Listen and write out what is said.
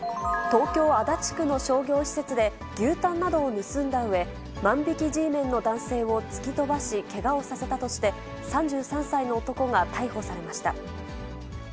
東京・足立区の商業施設で、牛タンなどを盗んだうえ、万引きＧメンの男性を突き飛ばしけがをさせたとして、３３歳の男が逮捕されました。